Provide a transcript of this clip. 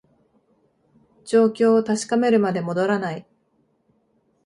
状況を確かめるまで戻らない